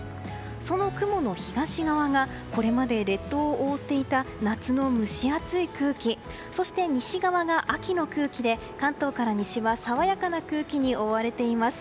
その雲の東側がこれまで列島を覆っていた夏の蒸し暑い空気そして、西側が秋の空気で関東から西は爽やかな空気に覆われています。